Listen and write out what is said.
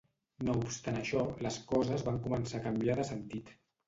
No obstant això, les coses van començar a canviar de sentit.